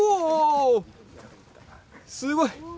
すごい！